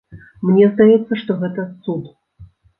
Мне здаецца, што гэта цуд.